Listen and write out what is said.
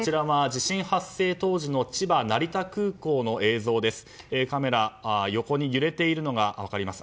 地震発生時の成田空港の映像です。